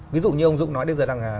ví dụ như ông dũng nói